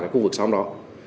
cái khu vực sau đó